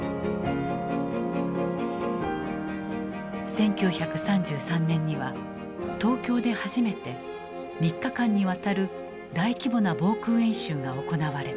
１９３３年には東京で初めて３日間にわたる大規模な防空演習が行われた。